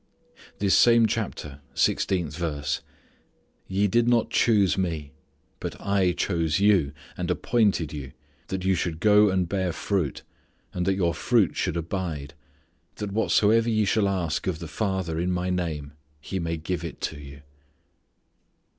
This same chapter, sixteenth verse: "Ye did not choose Me, but I chose you, and appointed you, that ye should go and bear fruit, and that your fruit should abide; that whatsoever ye shall ask of the Father in My name, He may give it you."